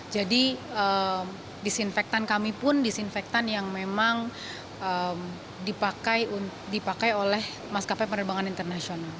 jadi disinfektan kami pun disinfektan yang memang dipakai oleh maskafe penerbangan internasional